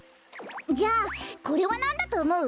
じゃあこれはなんだとおもう？